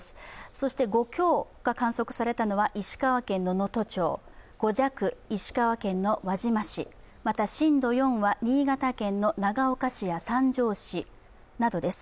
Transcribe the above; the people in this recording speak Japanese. そして５強が観測されたのは石川県能登町、５弱、石川県の輪島市、また震度４は新潟県長岡市や三条市です。